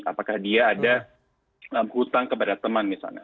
apakah dia ada hutang kepada teman misalnya